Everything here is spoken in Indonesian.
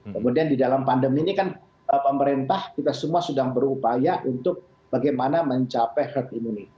kemudian di dalam pandemi ini kan pemerintah kita semua sudah berupaya untuk bagaimana mencapai herd immunity